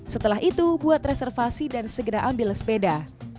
setelah itu buat reservasi dan segera ambil sepeda